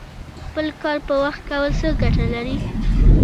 خپل کار په وخت کول څه ګټه لري؟